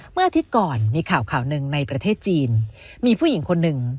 เมื่ออาทิตย์ก่อนมีข่าวข่าวหนึ่งในประเทศจีนมีผู้หญิงคนหนึ่ง